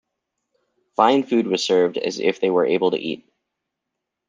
Fine food was served, as if they were able to eat.